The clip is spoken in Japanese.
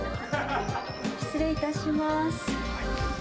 失礼いたします。